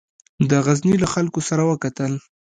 د غزني له خلکو سره وکتل.